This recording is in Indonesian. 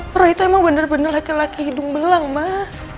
fro itu emang bener bener laki laki hidung belang mah